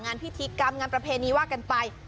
งานพิธีกรรมงานประเพณีว่ากันไป